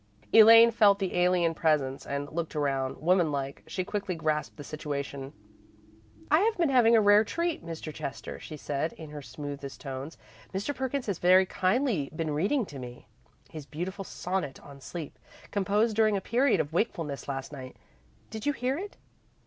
Elaine felt the alien presence and looked around. Woman like, she quickly grasped the situation. "I have been having a rare treat, Mr. Chester," she said, in her smoothest tones. "Mr. Perkins has very kindly been reading to me his beautiful Sonnet on Sleep, composed during a period of wakefulness last night. Did you hear it?